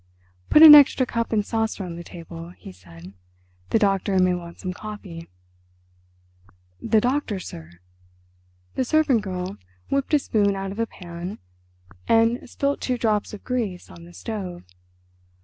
"Put an extra cup and saucer on the table," he said; "the doctor may want some coffee." "The doctor, sir?" The servant girl whipped a spoon out of a pan, and spilt two drops of grease on the stove.